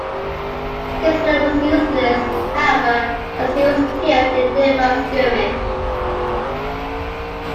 His flight was useless, however, as he was killed in a nearby skirmish.